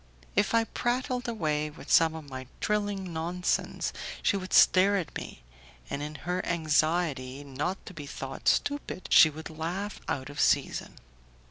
If I prattled away with some of my trilling nonsense, she would stare at me, and in her anxiety not to be thought stupid, she would laugh out of season.